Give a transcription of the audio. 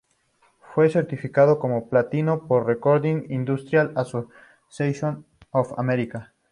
Fue certificado como platino por Recording Industry Association of America.